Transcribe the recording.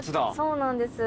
そうなんです。